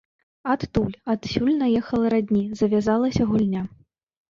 Адтуль, адсюль наехала радні, завязалася гульня.